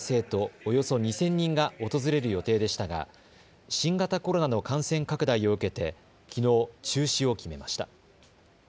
およそ２０００人が訪れる予定でしたが新型コロナの感染拡大を受けてきのう、中止を決めました。